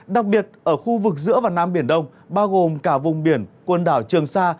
đặc biệt ở khu vực giữa và nam biển đông bao gồm cả vùng biển quần đảo trường sa